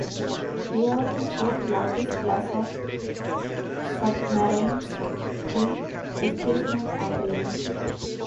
They are the fourth largest class of submarines in displacement and length.